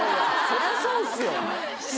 そりゃそうっすよ